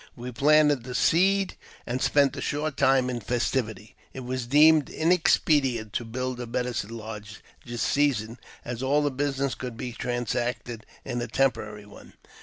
We planted the seed, and spent a short time in festivity. It was deemed inexpedient to build a medicine lodge this season, as all the business could be transacted in a temporary one.